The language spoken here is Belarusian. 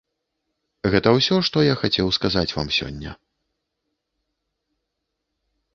Гэта ўсё, што я хацеў сказаць вам сёння.